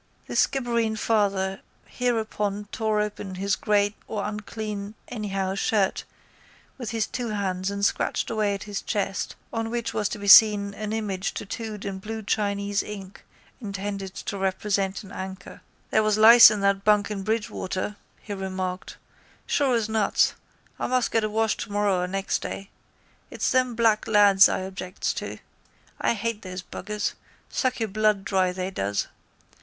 The Skibbereen father hereupon tore open his grey or unclean anyhow shirt with his two hands and scratched away at his chest on which was to be seen an image tattooed in blue Chinese ink intended to represent an anchor. —There was lice in that bunk in Bridgwater, he remarked, sure as nuts. I must get a wash tomorrow or next day. It's them black lads I objects to. I hate those buggers. Suck your blood dry, they does.